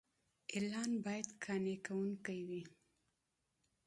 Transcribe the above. اعلان باید قانع کوونکی وي.